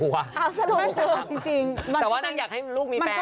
แต่ว่านางอยากให้ลูกมีแฟน